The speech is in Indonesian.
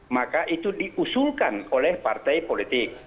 maka itu diusulkan oleh partai politik